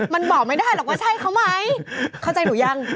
มันบอกไม่ได้หรอกว่าใช่เขาไหมเข้าใจหนูยัง